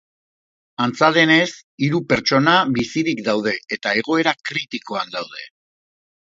Antza denez, hiru pertsona bizirik daude eta egoera kritikoan daude.